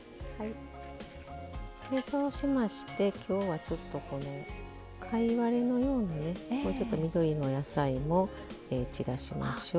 そうしまして今日はちょっと貝割れのようなね緑のお野菜も散らしましょう。